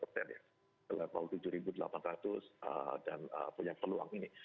level tujuh delapan ratus dan punya peluang ini